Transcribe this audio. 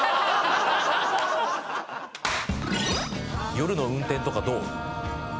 夜の運転とかどう？